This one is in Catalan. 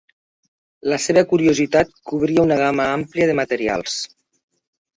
La seva curiositat cobria una gamma àmplia de materials.